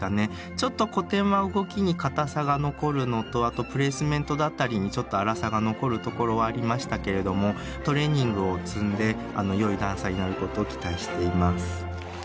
ちょっと古典は動きにかたさが残るのとあとプレースメントだったりにちょっと粗さが残るところはありましたけれどもトレーニングを積んでよいダンサーになることを期待しています。